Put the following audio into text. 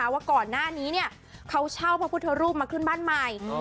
ว่าก่อนหน้านี้เขาเช่าพระพุทธรูปมาขึ้นบ้านใหม่